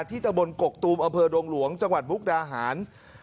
ที่ตะบลกกกตูมอเผอโดงหลวงจังหวัดมุกดาหาญ